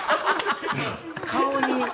顔に。